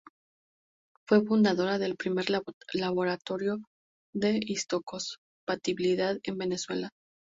Fue fundadora del primer laboratorio de histocompatibilidad en Venezuela.